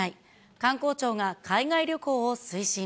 観光庁が海外旅行を推進。